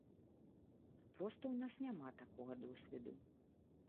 Проста ў нас няма такога досведу.